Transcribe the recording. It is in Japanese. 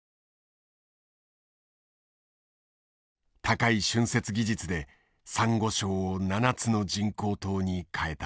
高い浚渫技術でサンゴ礁を７つの人工島に変えた。